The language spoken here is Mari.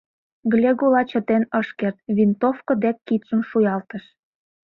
Глегола чытен ыш керт, винтовко дек кидшым шуялтыш.